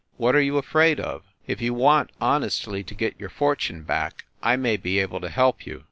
What are you afraid of? If you want honestly to get your fortune back, I may be able to help you.